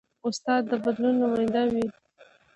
استاد د بدلون نماینده وي.